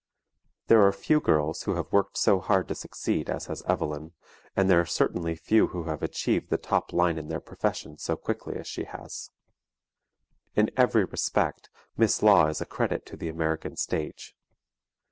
There are few girls who have worked so hard to succeed as has Evelyn, and there are certainly few who have achieved the top line in their profession as quickly as she has. In every respect, Miss Law is a credit to the American stage.